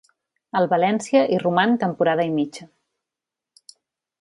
Al València hi roman temporada i mitja.